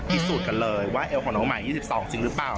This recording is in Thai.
พิสูจน์กันเลยว่าเอวของน้องใหม่๒๒จริงหรือเปล่า